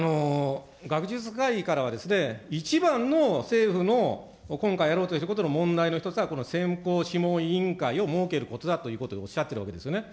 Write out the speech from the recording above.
学術会議からは一番の政府の今回やろうしていることの問題の一つは、この選考諮問委員会を設けることだということをおっしゃってるわけですよね。